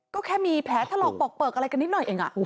ก็แค่มีแผลถลอกปอกเปลือกอะไรกันนิดหน่อยเอง